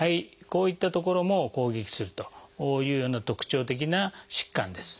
こういった所も攻撃するというような特徴的な疾患です。